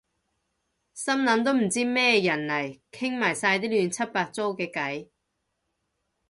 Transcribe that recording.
心諗都唔知咩人嚟傾埋晒啲亂七八糟嘅偈